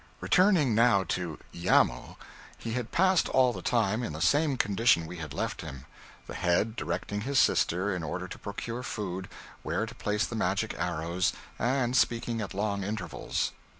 Returning now to Iamo, he had passed all the time in the same condition we had left him, the head directing his sister, in order to procure food, where to place the magic arrows, and speaking at long intervals.